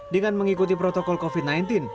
dengan mengikuti protokol covid sembilan belas